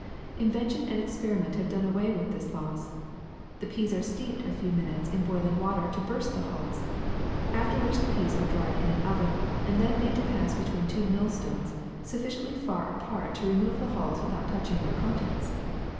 "Invention and experiment have done away with this loss. The peas are steeped a few minutes in boiling water to burst the hulls, after which the peas are dried in an oven and then made to pass between two millstones sufficiently far apart to remove the hulls without touching their contents.